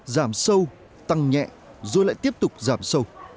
giảm sâu tăng nhẹ rồi lại tiếp tục giảm sâu